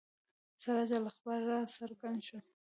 سراج الاخبار را څرګند شو.